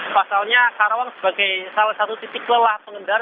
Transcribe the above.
pasalnya karawang sebagai salah satu titik lelah pengendara